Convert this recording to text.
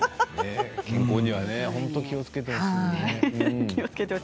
健康には本当に気をつけてほしいです。